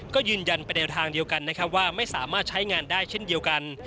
ก็ยืนยันไปในทางเดียวกันนะครับว่าไม่สามารถใช้งานได้เช่นเดียวกัน